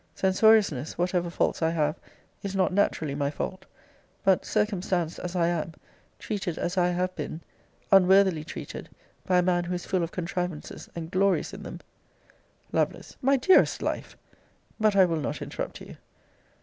Censoriousness, whatever faults I have, is not naturally my fault. But, circumstanced as I am, treated as I have been, unworthily treated, by a man who is full of contrivances, and glories in them Lovel. My dearest life! But I will not interrupt you.